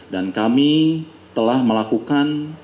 dan kami telah melakukan